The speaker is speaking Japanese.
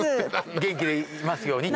元気でいますようにって。